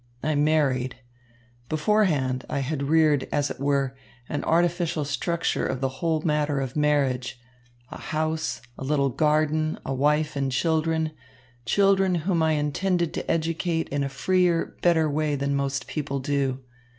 I married. Beforehand, I had reared, as it were, an artificial structure of the whole matter of marriage a house, a little garden, a wife and children, children whom I intended to educate in a freer, better way than most people do.